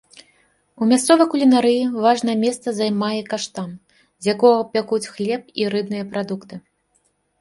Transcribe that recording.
У мясцовай кулінарыі важнае месца займае каштан, з якога пякуць хлеб, і рыбныя прадукты.